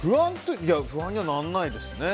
不安にはならないですね。